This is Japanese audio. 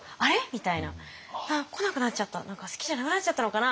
みたいな「あっ来なくなっちゃった何か好きじゃなくなっちゃったのかな？」